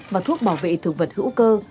và thuốc bảo vệ thực vật hữu cơ